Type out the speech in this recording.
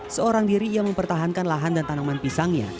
seorang diri ia mempertahankan lahan dan tanaman pisangnya